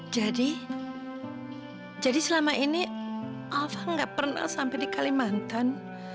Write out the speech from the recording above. jadi jadi selama ini alva nggak pernah sampai di kalimantan